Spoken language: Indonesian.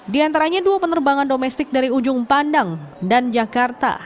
di antaranya dua penerbangan domestik dari ujung pandang dan jakarta